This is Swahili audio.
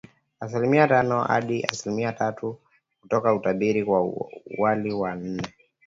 Asilimia tano hadi asilimia tatu, kutoka utabiri wa awali wa ine